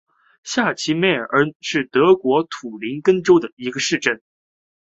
下齐梅尔恩是德国图林根州的一个市镇。